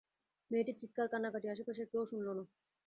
মেয়েটির চিৎকার, কান্নাকাটি আশেপাশের কেউ শুনল না।